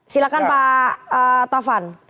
silahkan pak taufan